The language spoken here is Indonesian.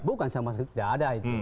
bukan sama sekali tidak ada itu